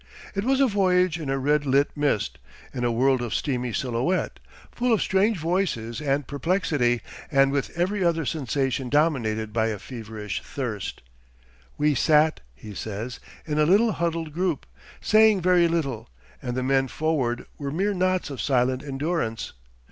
It was a voyage in a red lit mist, in a world of steamy silhouette, full of strange voices and perplexity, and with every other sensation dominated by a feverish thirst. 'We sat,' he says, 'in a little huddled group, saying very little, and the men forward were mere knots of silent endurance.